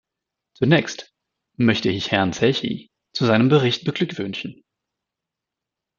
Zunächst möchte ich Herrn Secchi zu seinem Bericht beglückwünschen.